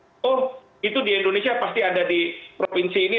jangan kemudian kita berpikir bahwa oh itu di indonesia pasti ada di provinsi ini